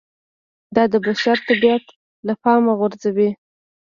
دا د بشر طبیعت له پامه غورځوي